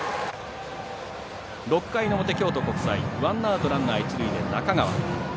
６回の表、京都国際ワンアウトランナー、一塁で中川。